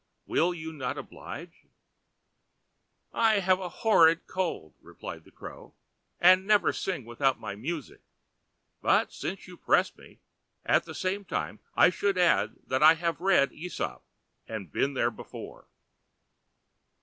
Will you not oblige——?" "I have a horrid Cold," replied the Crow, "and never sing without my Music; but since you press me—at the same time, I should add that I have read ósop, and been there before."